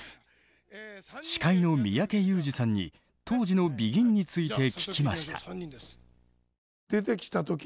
司会の三宅裕司さんに当時のＢＥＧＩＮについて聞きました。